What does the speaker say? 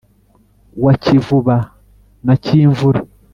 wa kivuba na cyimvura,